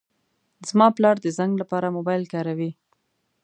زما پلار د زنګ لپاره موبایل کاروي.